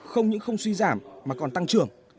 không những không suy giảm mà còn tăng trưởng